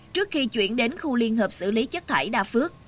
trước khi chuyển đến khu liên hợp xử lý chất thải đà phước